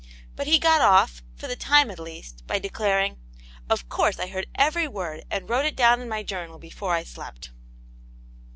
But he got off, for the time at least, by declaring —" Of course I heard every word, and wrote it down in my journal before I slept."